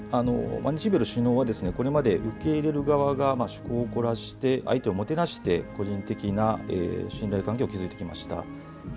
日米の首脳はこれまで受け入れる側が趣向を凝らして相手をもてなして個人的な信頼関係を築いてきました。